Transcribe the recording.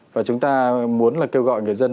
và chúng ta muốn là kêu gọi người dân